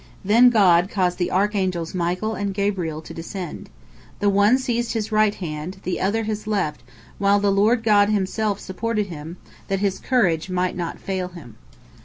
Then God caused the archangels Michael and Gabriel to descend. The one seized his right hand, the other his left hand, while the Lord God Himself supported him, that his courage might not fail him.